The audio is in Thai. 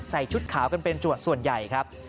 ชุดขาวกันเป็นส่วนใหญ่ครับ